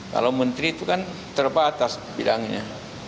kalau menteri itu kan terbatas bidangnya